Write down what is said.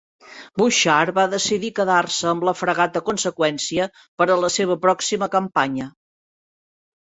Bouchard va decidir quedar-se amb la fragata "Consecuencia" per a la seva pròxima campanya.